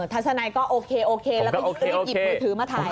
ทัศนัยก็โอเคแล้วก็หยิบมือถือมาถ่าย